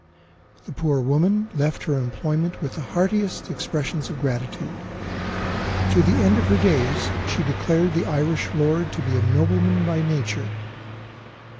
The poor woman left her employment with the heartiest expressions of gratitude. To the end of her days, she declared the Irish lord to be a nobleman by nature.